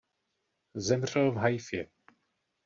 Zemřel v Haifě.